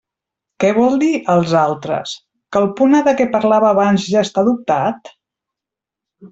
Què vol dir “els altres”?, que el punt A de què parlava abans ja està adoptat?